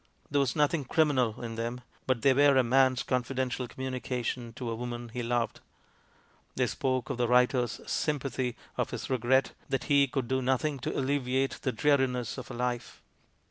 There was nothing criminal in them; but they were a man's confidential communica 238 THE MAN WHO UNDERSTOOD WOMEN tions to a woman he loved. They spoke of the writer's "sympathy," of his regret that he could do nothing to "alleviate the dreariness of her life."